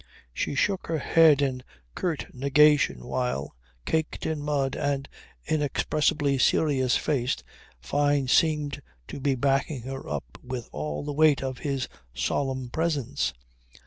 She shook her head in curt negation while, caked in mud and inexpressibly serious faced, Fyne seemed to be backing her up with all the weight of his solemn presence.